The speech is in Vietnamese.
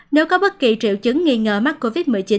nếu có bất kỳ triệu chứng nghi ngờ mắc covid một mươi chín